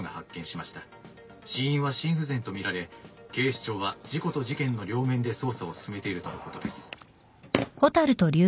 死因は心不全とみられ警視庁は事故と事件の両面で捜査を進めているとのことです。